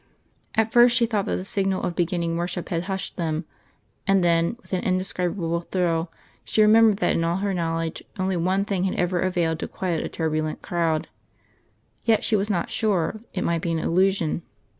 At first she thought that the signal of beginning worship had hushed them; and then, with an indescribable thrill, she remembered that in all her knowledge only one thing had ever availed to quiet a turbulent crowd. Yet she was not sure; it might be an illusion.